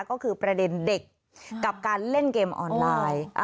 ก็คือประเด็นเด็กกับการเล่นเกมออนไลน์